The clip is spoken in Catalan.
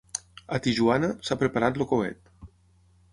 A Tijuana, s'ha preparat el coet.